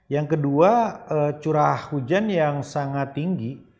yang kedua curah hujan yang sangat tinggi